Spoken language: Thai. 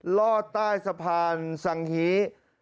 ลอดใต้สะพานสังฮี